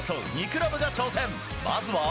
２クラブが挑戦。